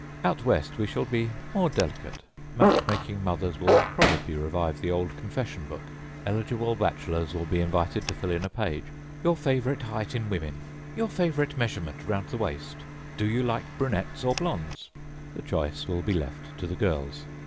Out West we shall be more delicate. Match making mothers will probably revive the old confession book. Eligible bachelors will be invited to fill in a page: âYour favourite height in women,â âYour favourite measurement round the waist,â âDo you like brunettes or blondes?â The choice will be left to the girls.